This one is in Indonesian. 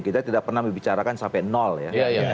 kita tidak pernah membicarakan sampai nol ya